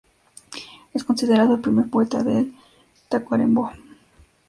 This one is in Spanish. Es considerado el primer poeta de Tacuarembó.